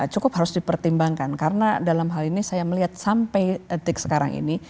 cukup harus dipertimbangkan karena dalam hal ini saya melihat sampai etik sekarang ini